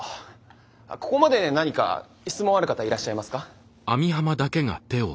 ここまで何か質問ある方いらっしゃいますか？